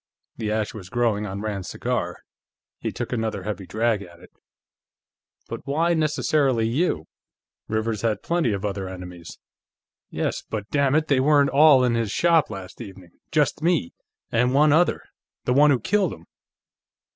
The ash was growing on Rand's cigar; he took another heavy drag at it. "But why necessarily you? Rivers had plenty of other enemies." "Yes, but, dammit, they weren't all in his shop, last evening. Just me. And one other. The one who killed him."